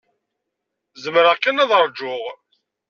Zemreɣ kan ad ṛjuɣ.